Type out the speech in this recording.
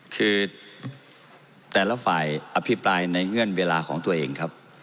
คือแต่ละฝ่ายอภิปรายในเงื่อนเวลาของตัวเองครับ